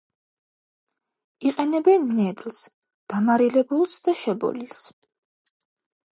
იყენებენ ნედლს, დამარილებულს და შებოლილს.